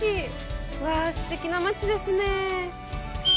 うわぁ、すてきな街ですね。